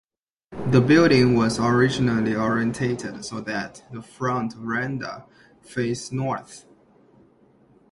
The building was originally orientated so that the front verandah faced north.